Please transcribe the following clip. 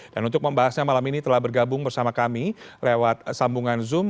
dan untuk membahasnya malam ini telah bergabung bersama kami lewat sambungan zoom